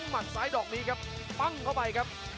หัดซ้ายดอกนี้ครับปั้งเข้าไปครับ